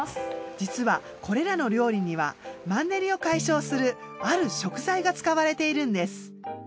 実はこれらの料理にはマンネリを解消するある食材が使われているんです。